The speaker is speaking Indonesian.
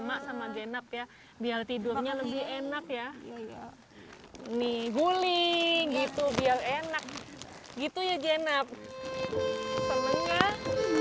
maksa maghien api ya biar tidurnya lebih enak ya nih guling gitu biar enak gitu ya genap semangat